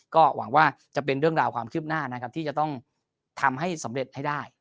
ก็หวังว่าจะเป็นเรื่องราวความคืบหน้านะครับที่จะต้องทำให้สำเร็จให้ได้